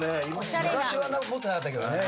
昔は持ってなかったけどね。